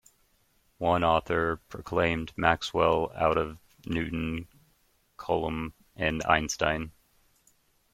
One author proclaimed, "Maxwell - Out of Newton, Coulomb and Einstein".